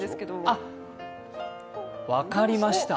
あっ、分かりました。